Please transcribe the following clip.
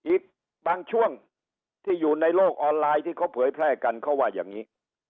อีกบางช่วงที่อยู่ในโลกออนไลน์ที่เขาเผยแพร่กันเขาว่าอย่างนี้